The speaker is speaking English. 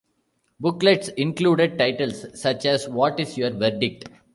Booklets included titles such as What is Your Verdict?